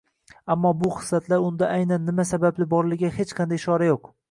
Ammo bu xislatlar unda aynan nima sababli borligiga hech qanday ishora yoʻq